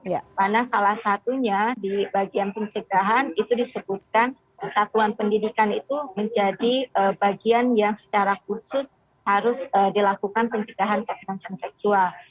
karena salah satunya di bagian pencegahan itu disebutkan kesatuan pendidikan itu menjadi bagian yang secara khusus harus dilakukan pencegahan kekerasan seksual